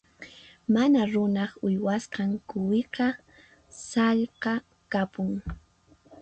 Mana runaq uywasqan quwiqa sallqa kapun.